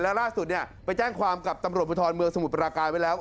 แล้วล่าสุดเนี่ยไปแจ้งความกับตำรวจภูทรเมืองสมุทรปราการไว้แล้ว